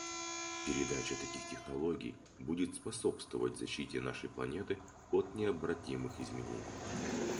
Передача таких технологий будет способствовать защите нашей планеты от необратимых изменений.